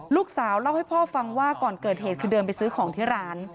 ลูกสาวเล่าให้พ่อฟังว่าก่อนเกิดเหตุคือเดินไปซื้อของที่ร้าน